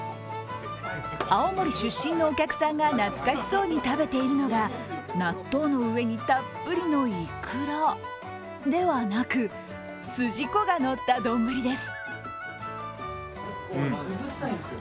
青森出身のお客さんが懐かしそうに食べているのが納豆の上にたっぷりのイクラではなく、筋子が乗った丼です。